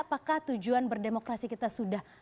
apakah tujuan berdemokrasi kita sudah